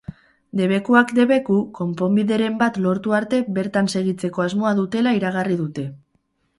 Debekuak debeku, konponbideren bat lortu arte bertan segitzeko asmoa dutela iragarri dute.